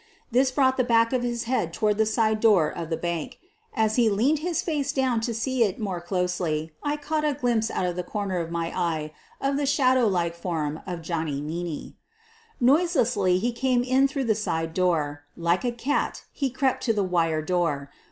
This brought the back of his head toward the side door of the bank. As he leaned his face down to see it more closely I caught a glimpse out of the corner of my eye of the shadow like form of Johnny Mcaney. Noiselessly he had come in through the side door. .Mice a cat he crept to the wire door.